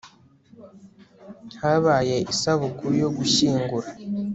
habaye Isabukuru yo gushyingura